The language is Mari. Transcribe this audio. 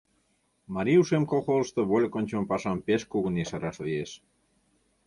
«Марий ушем» колхозышто вольык ончымо пашам пеш кугун ешараш лиеш.